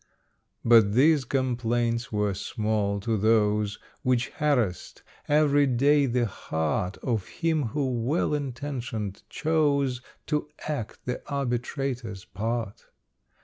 But these complaints were small to those Which harassed, every day, the heart Of him who, well intentioned, chose To act the Arbitrator's part.